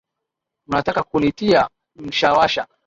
Mnataka kunitia mshawasha.